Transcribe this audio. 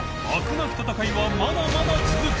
なき戦いはまだまだ続く！